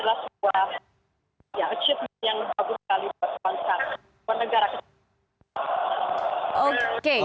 ini adalah sebuah achievement yang bagus sekali buat negara